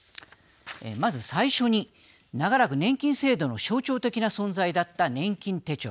まず最初に、長らく年金制度の象徴的な存在だった年金手帳。